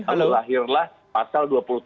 atau lahirlah pasal dua puluh tujuh